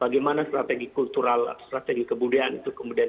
bagaimana strategi kultural atau strategi kebudayaan itu bisa diperlukan